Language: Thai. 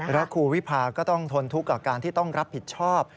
แล้วครูวิพาก็ต้องทนทุกข์กับการที่ต้องรับผิดชอบ